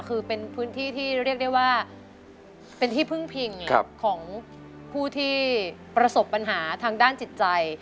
คือเป็นเพิ่งพิ่งของผู้ที่ประสบปัญหาทางด้านจิตใจ